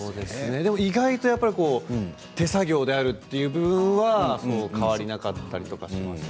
でも意外と手作業であるという部分は変わりなかったりとかしますよね。